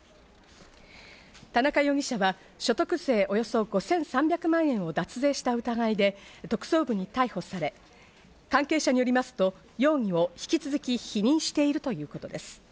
田中容疑者は、所得税およそ５３００万円を脱税した疑いで特捜部に逮捕され、関係者によりますと、容疑を引き続き否認しているということです。